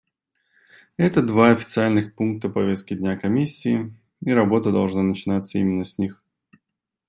Это два официальных пункта повестки дня Комиссии, и работа должна начинаться именно с них.